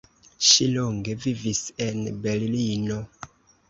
Ŝi longe vivis en Berlino.